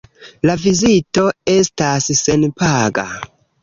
La vizito estas senpaga.